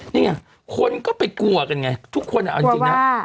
นี่ไงคนก็ไปกลัวกันไงทุกคนเอาจริงนะ